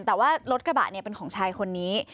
แต่ว่ารถกระบะเนี่ยเป็นของชายคนนี้